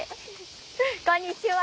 こんにちは。